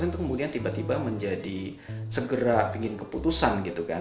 itu kemudian tiba tiba menjadi segera ingin keputusan gitu kan